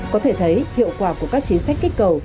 có thể thấy hiệu quả của các chính sách kích cầu